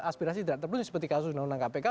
aspirasi tidak terbentuk seperti kasus undang undang kpk